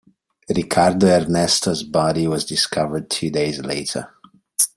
Ricardo Ernesto's body was discovered two days later.